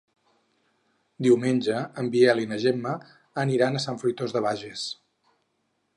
Diumenge en Biel i na Gemma aniran a Sant Fruitós de Bages.